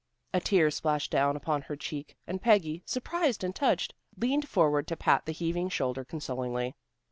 A tear splashed down upon her cheek, and Peggy, surprised and touched, leaned forward to pat the heaving shoulder consolingly.